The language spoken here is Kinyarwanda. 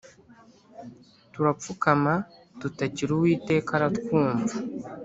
turapfukama dutakira uwiteka aratwumva